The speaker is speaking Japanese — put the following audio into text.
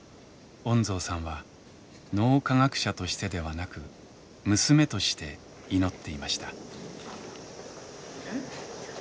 恩蔵さんは脳科学者としてではなく娘として祈っていました。